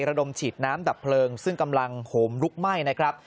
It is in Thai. ระดมฉีดน้ำดับเพลิงซึ่งกำลังโหมลุกไหม้นะครับ